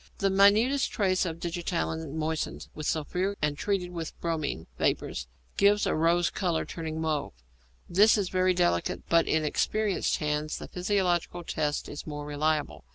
The minutest trace of digitalin moistened with sulphuric and treated with bromine vapour gives a rose colour, turning to mauve. This is very delicate, but in experienced hands the physiological test is more reliable.